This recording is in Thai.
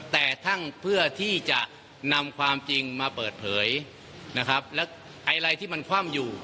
แต่ทั้งเพื่อที่จะนำความจริงมาเปิดเผยนะครับแล้วไอ้อะไรที่มันคว่ำอยู่